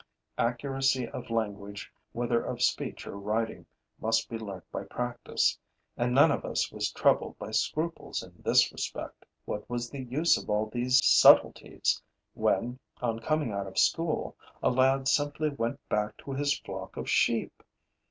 Accuracy of language, whether of speech or writing, must be learnt by practice. And none of us was troubled by scruples in this respect. What was the use of all these subtleties, when, on coming out of school, a lad simply went back to his flock of sheep!